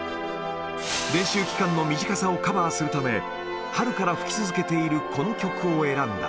練習期間の短さをカバーするため、春から吹き続けているこの曲を選んだ。